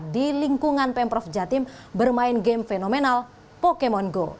di lingkungan pemprov jatim bermain game fenomenal pokemon go